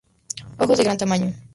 Ojos de gran tamaño.